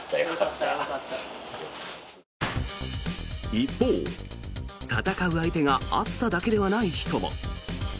一方、戦う相手が暑さだけではない人も。